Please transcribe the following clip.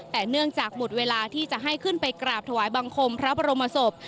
แต่เนื่องจากหมดเวลาที่จะให้ขึ้นไปกราบถวายบังคมพระบรมศพ